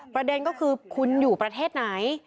ประเด็นก็คือคุณอยู่ประเทศไหน